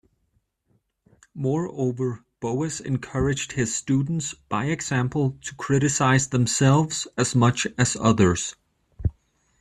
Moreover, Boas encouraged his students, by example, to criticize themselves as much as others.